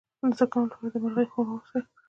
د زکام لپاره د مرغۍ ښوروا وڅښئ